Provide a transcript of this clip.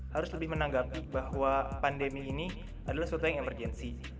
harus lebih menanggapi bahwa pandemi ini adalah suatu yang emergensi